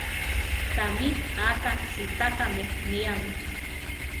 Tamí aka sitákame níame.